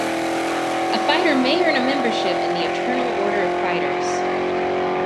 A fighter may earn a membership in the Eternal Order of Fighters.